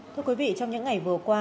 thưa quý vị trong những ngày vừa qua